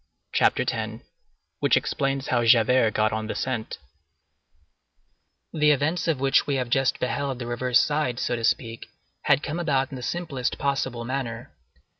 CHAPTER X—WHICH EXPLAINS HOW JAVERT GOT ON THE SCENT The events of which we have just beheld the reverse side, so to speak, had come about in the simplest possible manner.